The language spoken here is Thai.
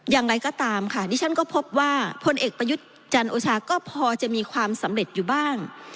อย่างไรก็ตามค่ะดิฉันก็พบว่าพลเอกประยุทธ์จันโอชาก็พอจะมีความสำเร็จอยู่บ้าง